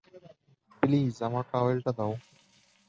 Please, আমার towel টা দাও।